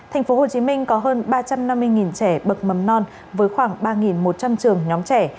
tp hcm có hơn ba trăm năm mươi trẻ bậc mầm non với khoảng ba một trăm linh trường nhóm trẻ